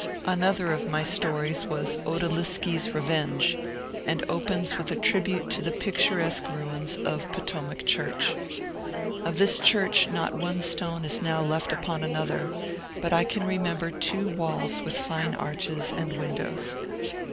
Another of my stories was ^^ Outaliski's Revenge," and opens with a tribute to the picturesque ruins of Potomac church. Of this church not one stone is now left upon another, but I can remember two walls with fine arches and windows.